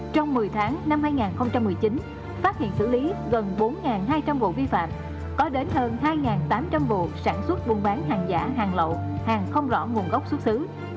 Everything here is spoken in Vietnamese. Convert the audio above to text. trong một mươi tháng năm hai nghìn một mươi chín phát hiện xử lý gần bốn hai trăm linh vụ vi phạm có đến hơn hai tám trăm linh vụ sản xuất buôn bán hàng giả hàng lậu hàng không rõ nguồn gốc xuất xứ